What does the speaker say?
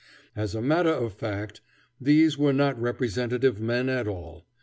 As a matter of fact, these were not representative men at all.